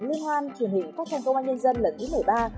liên hoan truyền hình phát thanh công an nhân dân lần thứ một mươi ba